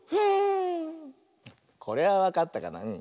これはわかったかな？